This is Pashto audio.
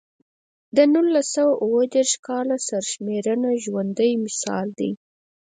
د نولس سوه اووه دېرش کال سرشمېرنه ژوندی مثال دی.